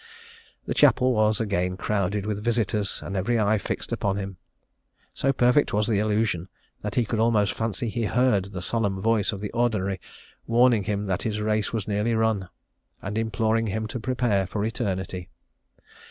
The chapel was again crowded with visitors, and every eye fixed upon him. So perfect was the illusion, that he could almost fancy he heard the solemn voice of the Ordinary warning him that his race was nearly run, and imploring him to prepare for eternity.